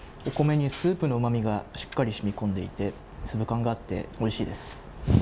お米にスープのうまみがしっかりしみこんでいて、粒感があっておいしいです。